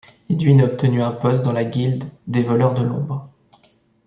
Edwin a obtenu un poste dans la guilde des voleurs de l'ombre.